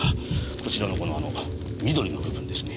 こちらのこの緑の部分ですね。